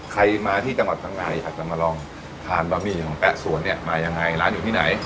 ใครมาที่จังหวัดข้างในอยากจะมาลองทานบะหมี่ของแป๊ะสวนเนี่ยมายังไงร้านอยู่ที่ไหน